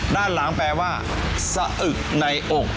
ด้านหลังแปลว่าสะอึกในอก